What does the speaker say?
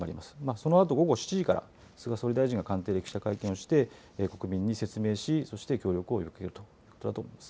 そのあと午後７時から、菅総理大臣が官邸で記者会見をして、国民に説明し、そして協力を呼びかけるということだと思います。